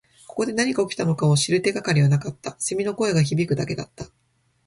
ここで何が起きたのかを知る手がかりはなかった。蝉の声が響くだけだった。